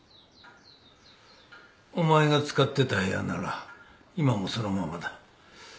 お前が使ってた部屋なら今もそのままだ。